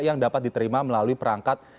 yang dapat diterima melalui perangkat